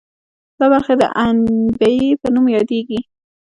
دا برخه د عنبیې په نوم یادیږي.